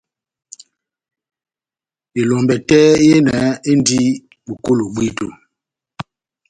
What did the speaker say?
Elombɛ tɛ́h yehenɛ endi bokolo bwito.